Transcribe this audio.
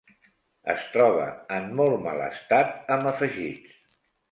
Es troba en molt mal estat, amb afegits.